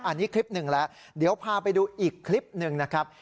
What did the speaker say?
อันนี้คลิปหนึ่งแล้วเดี๋ยวพาไปดูอีกคลิปหนึ่งนะครับ